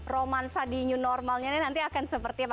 romansa di new normalnya ini nanti akan seperti apa